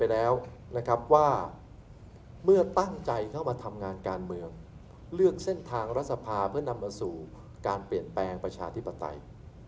เลือกเส้นทางรัฐสภาเพื่อนำมาสู่การเปลี่ยนแปลงประชาธิปไตย